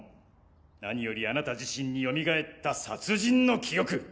何よりあなた自身によみがえった殺人の記憶。